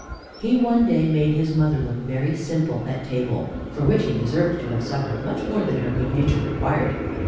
He one day made his mother look very simple at table, for which he deserved to have suffered much more than her good nature required.